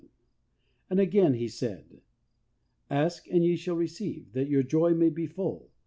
And again He said, "Ask and ye shall receive, that your joy may be full."